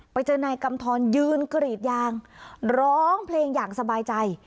ไปเจอนายกำทรยืนกรีดยางร้องเพลงอย่างสบายใจ